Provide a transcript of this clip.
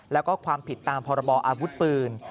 แล้วก็ความผิดตามพรบออาวุธปืน